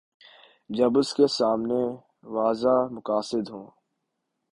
جب اس کے سامنے واضح مقاصد ہوں۔